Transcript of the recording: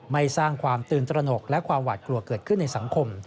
ไม่สร้างความตื่นตระหนกและความหวาดกลัวเกิดขึ้นในสังคม